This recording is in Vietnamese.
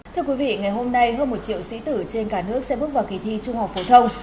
thưa quý vị ngày hôm nay hơn một triệu sĩ tử trên cả nước sẽ bước vào kỳ thi trung học phổ thông